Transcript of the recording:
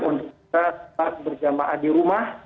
untuk kita tetap berjamaah di rumah